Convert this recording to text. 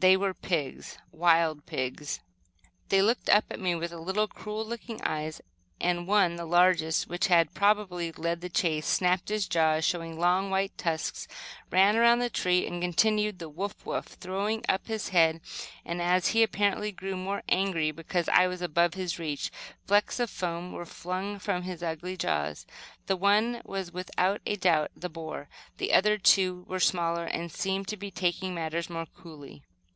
They were pigs, wild pigs. They looked up at me with little, cruel looking eyes, and one, the largest, which had probably led the chase, snapped his jaws, showing long, white tusks, ran around the tree and continued the "woof, woof!" throwing up his head and, as he apparently grew more angry because I was above his reach, flecks of foam were flung from the ugly jaws. This one was, without a doubt, the boar. The other two were smaller, and seemed to be taking matters more coolly.